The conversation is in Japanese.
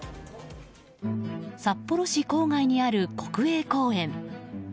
札幌市郊外にある国営公園。